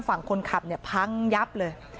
ฝั่งคนขับเนี่ยพังยับเลย